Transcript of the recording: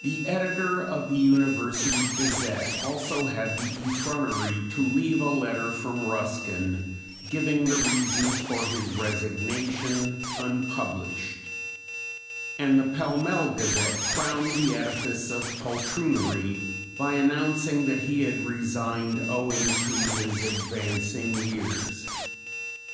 The editor of the University Gazette also had the effrontery to leave a letter from Ruskin, giving the reasons for his resignation, unpublished; and the Pall Mall Gazette crowned the edifice of poltroonery by announcing that he had resigned owing to his "advancing years."